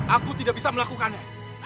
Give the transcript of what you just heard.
aku tidak bisa melakukannya